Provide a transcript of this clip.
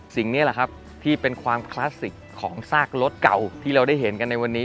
สิ่งนี้แหละครับที่เป็นความคลาสสิกของซากรถเก่าที่เราได้เห็นกันในวันนี้